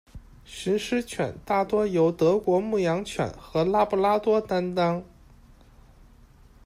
寻尸犬大多由德国牧羊犬和拉不拉多担纲。